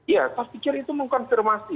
ya saya pikir itu mengkonfirmasi